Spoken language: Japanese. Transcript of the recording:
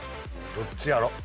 どっちやろ？